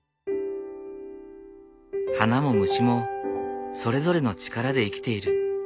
花も虫もそれぞれの力で生きている。